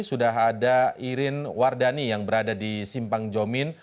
sudah ada irin wardani yang berada di simpang jomin